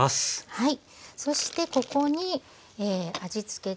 はい。